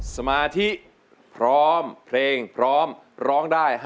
สมาธิพร้อมเพลงพร้อมร้องได้ให้